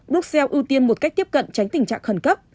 bruxelles ưu tiên một cách tiếp cận tránh tình trạng khẩn cấp